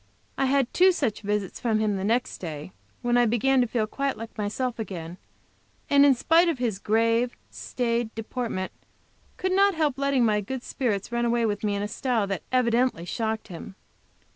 I had two such visits from him the next day, when I began to feel quite like myself again, and in spite of his grave, staid deportment, could not help letting my good spirits run away with me in a style that evidently shocked him.